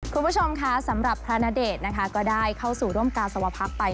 คุณผู้ชมค่ะสำหรับพระณเดชน์นะคะก็ได้เข้าสู่ร่วมกาสวพักไป